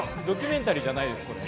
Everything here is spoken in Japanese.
ドキュメンタリーじゃないです。